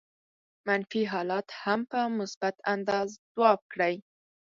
منفي حالات هم په مثبت انداز ځواب کړي.